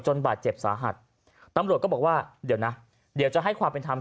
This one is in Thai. บาดเจ็บสาหัสตำรวจก็บอกว่าเดี๋ยวนะเดี๋ยวจะให้ความเป็นธรรม